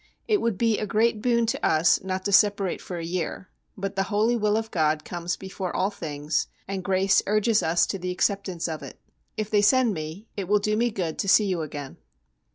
It would be a great boon to us not to separate for a year: but the Holy will of God comes before all things, and grace urges us to the acceptance of it. If they send me, it will do me good to see you again.